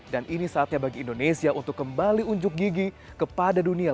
dan ini saatnya bagi indonesia untuk kembali unjuk gigi kepada dunia